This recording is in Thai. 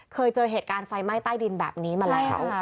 เคยเจอเหตุการณ์ไฟไหม้ใต้ดินแบบนี้มาแล้ว